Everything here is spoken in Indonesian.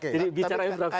jadi bicara infrastruktur